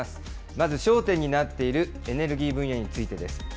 まず、焦点になっているエネルギー分野についてです。